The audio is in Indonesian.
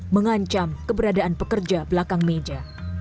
mengancam keberadaan pekerja belakang meja